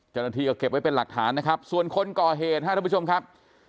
จริงก็เก็บไว้เป็นหลักฐานนะครับส่วนคนก่อเหตุภาพทุกผู้ชมครับ